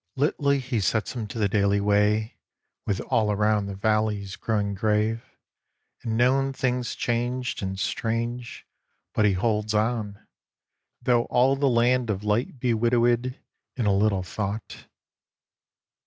Littly he sets him to the daily way, With all around the valleys growing grave, And known things changed and strange; but he holds on, Though all the land of light be widowèd, In a little thought.